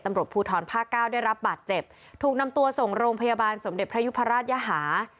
ตำรวจภูทรภาคเก้าได้รับบาดเจ็บถูกนำตัวส่งโรงพยาบาลสมเด็จพระยุพราชยหา